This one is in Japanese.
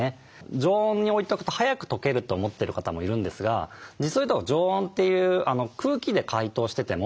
常温に置いとくと速くとけると思ってる方もいるんですが実を言うと常温という空気で解凍しててもなかなかとけないんですね。